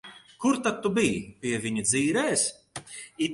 Kur tad tu biji? Pie viņa dzīrēs?